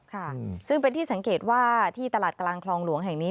ค่ะซึ่งเป็นที่สังเกตว่าที่ตลาดกลางคลองหลวงแห่งนี้